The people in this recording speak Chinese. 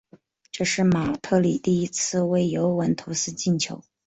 这是马特里第一次为尤文图斯进球。